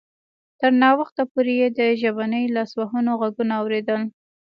تر ناوخته پورې یې د ژبني لاسوهنو غږونه اوریدل